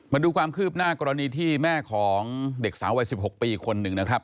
มาดูความคืบหน้ากรณีที่แม่ของเด็กสาววัย๑๖ปีคนหนึ่งนะครับ